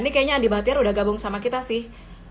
ini kayaknya andi batiar udah gabung sama kita sih